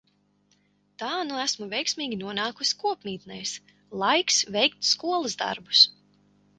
Tā nu esmu veiksmīgi nonākusi kopmītnēs. Laiks veikt skolas darbus!